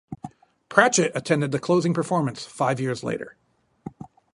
Pratchett attended the closing performance five years later.